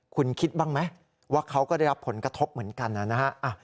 คุณคิดบ้างไหมว่าเขาก็ได้รับผลกระทบเหมือนกันนะฮะ